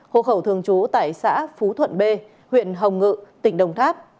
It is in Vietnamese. hộ khẩu thường trú tại xã phú thuận b huyện hồng ngự tỉnh đồng tháp